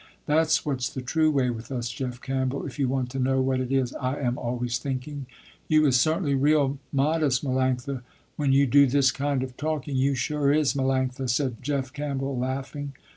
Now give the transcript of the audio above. That's what's the true way with us Jeff Campbell, if you want to know what it is I am always thinking." "You is certainly real modest Melanctha, when you do this kind of talking, you sure is Melanctha," said Jeff Campbell laughing.